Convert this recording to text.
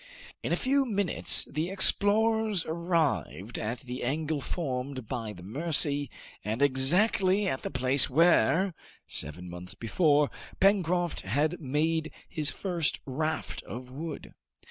In a few minutes the explorers arrived at the angle formed by the Mercy and exactly at the place where, seven months before, Pencroft had made his first raft of wood.